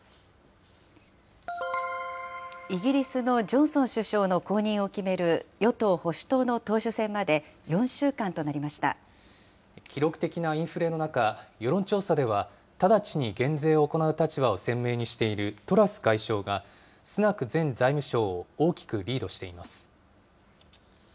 イギリスのジョンソン首相の後任を決める与党・保守党の党首記録的なインフレの中、世論調査では、直ちに減税を行う立場を鮮明にしているトラス外相が、スナク前財務相を大きくリードしています。